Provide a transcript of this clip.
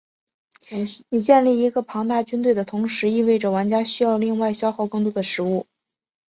你建立一个庞大军队的同时意味着玩家需要另外消耗更多的食物。